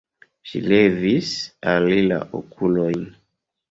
Ŝi levis al li la okulojn.